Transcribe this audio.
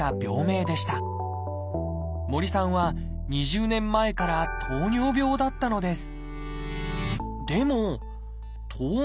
森さんは２０年前から糖尿病だったのです。